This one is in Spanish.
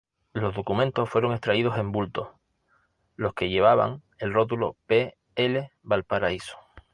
Los documentos fueron extraídos en bultos, los que llevaban el rótulo "P. L. Valparaíso".